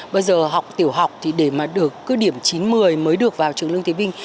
bây giờ học tiểu học thì để mà được cứ điểm chín một mươi mới được vào trường lương thế vinh